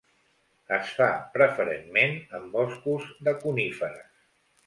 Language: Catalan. Es fa preferentment en boscos de coníferes.